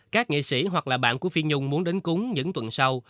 các nghệ sĩ hoặc là bạn của phi nhung muốn đến cúng những tuần sau